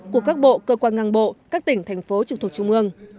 của các bộ cơ quan ngang bộ các tỉnh thành phố trực thuộc trung ương